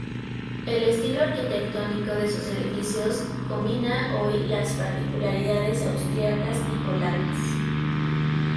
El estilo arquitectónico de sus edificios combina hoy las peculiaridades austríacas y polacas.